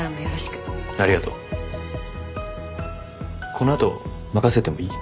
この後任せてもいい？